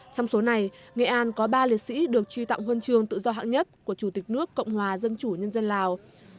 trong số này nghệ an có ba liệt sĩ được truy tặng huân trường tự do hãng nhất của chủ tịch nước cộng hòa dân chủ nhân dân lào